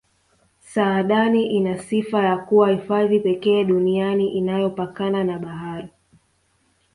saadani ina sifa ya kuwa hifadhi pekee duniani inayopakana na bahari